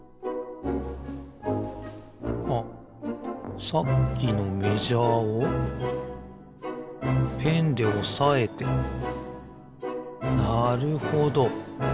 あっさっきのメジャーをペンでおさえてなるほど。